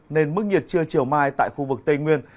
nên mức nhiệt trưa chiều mai tại khu vực tây nguyên